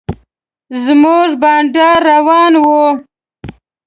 زموږ بنډار روان و.